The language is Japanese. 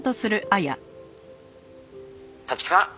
「立木さん？